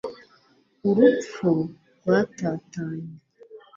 urupfu-rwatatanye